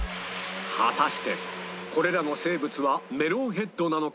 果たしてこれらの生物はメロンヘッドなのか？